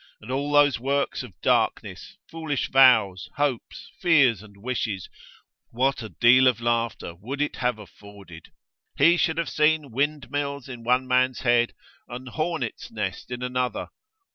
and all those works of darkness, foolish vows, hopes, fears and wishes, what a deal of laughter would it have afforded? He should have seen windmills in one man's head, an hornet's nest in another.